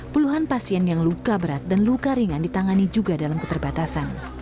puluhan pasien yang luka berat dan luka ringan ditangani juga dalam keterbatasan